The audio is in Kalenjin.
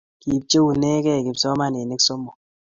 kipcheunegei kipsomaninik somok